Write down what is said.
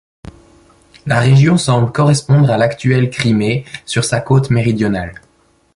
La région semble correspondre à l'actuelle Crimée, sur sa côte méridionale.